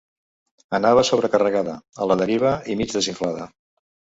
Anava sobrecarregada, a la deriva i mig desinflada.